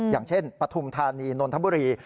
อย่างเช่นปฐุมธานีนนทบุรี